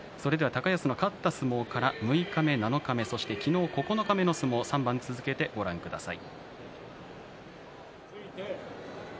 勝った相撲から六日目、七日目そして昨日九日目の相撲３番続けてご覧ください。